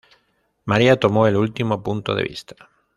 María tomó el último punto de vista.